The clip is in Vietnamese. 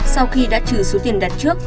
sau khi đã trừ số tiền đặt trước